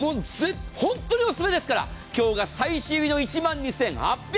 本当におすすめですから今日が最終日の１万２８００円。